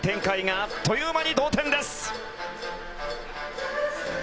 あっという間に同点です。